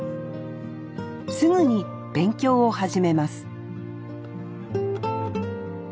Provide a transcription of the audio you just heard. すぐに勉強を始めます